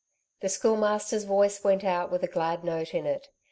The Schoolmaster's voice went out with a glad note in it.